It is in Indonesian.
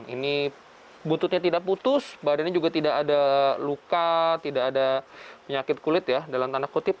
ini bututnya tidak putus badannya juga tidak ada luka tidak ada penyakit kulit ya dalam tanda kutip